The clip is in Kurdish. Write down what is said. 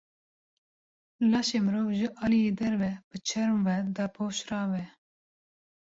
Laşê mirov ji aliyê derve bi çerm ve dapoşrav e.